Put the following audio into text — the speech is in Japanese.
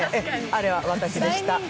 あれは私でした。